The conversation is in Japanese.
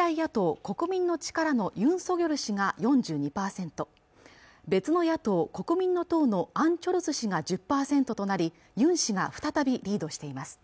最大野党・国民の力のユン・ソギョル氏が４２％別の野党・国民の党のアン・チョルス氏が１０％となりユン氏が再びリードしています